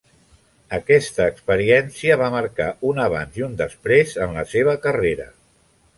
Aquesta experiència va marcar un abans i un després en la seva carrera.